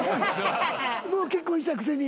もう結婚したくせに。